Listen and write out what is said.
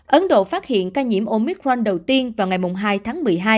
ấn độ phát hiện ca nhiễm omicron đầu tiên vào ngày hai tháng một mươi hai